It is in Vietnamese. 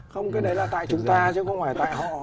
không cái đấy là tại chúng ta chứ không phải tại họ